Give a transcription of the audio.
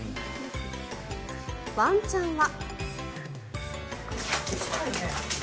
ワンちゃんは。